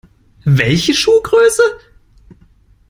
Welche Schuhgröße?